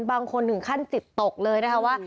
บางคนถึงขั้นจิตตกเลยนะคะว่า